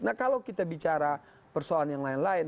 nah kalau kita bicara persoalan yang lain lain